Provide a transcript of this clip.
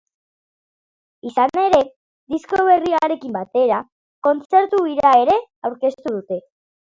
Izan ere, disko berriarekin batera, kontzertu-bira ere aurkeztu dute.